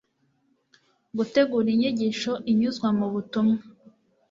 gutegura inyigisho inyuzwa mu butumwa